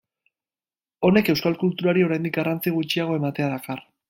Honek euskal kulturari oraindik garrantzi gutxiago ematea dakar.